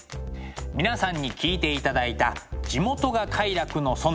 皆さんに聴いていただいた「地元が快楽の園」。